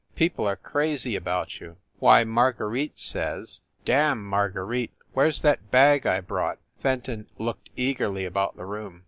Peo ple are crazy about you ! Why, Marguerite says " "Damn Marguerite! Where s that bag I brought?" Fenton looked eagerly about the room.